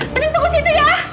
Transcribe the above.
bening tunggu situ ya